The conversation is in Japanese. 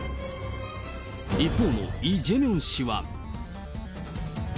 一方のイ・ジェミョン氏は。